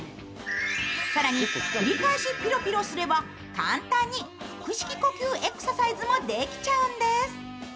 さらに繰り返し、ピロピロすれば簡単に腹式呼吸エクササイズもできちゃうんです。